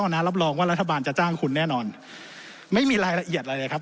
นะรับรองว่ารัฐบาลจะจ้างคุณแน่นอนไม่มีรายละเอียดอะไรเลยครับ